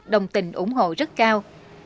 đồng tình ủng hộ rất cao